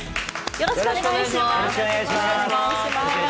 よろしくお願いします。